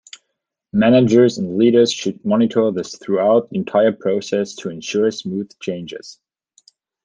Managers and leaders should monitor this throughout the entire process to ensure smooth changes.